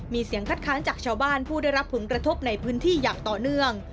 มีเสียงคัดค้านจากชาวบ้านผู้ได้รับผลกระทบในพื้นที่อย่างต่อเนื่อง